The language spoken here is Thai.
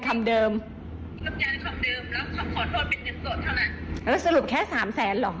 แล้วเดี๋ยวมันจะให้อภัยได้เอง